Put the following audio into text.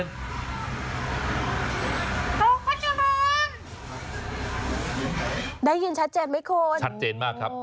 โต๊ะพระเจริญได้ยินชัดเจนไหมคนชัดเจนมากครับ